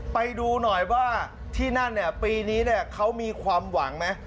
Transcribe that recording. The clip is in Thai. ไปดูหน่อยว่าที่นั่นปีนี้เขามีความหวังไหม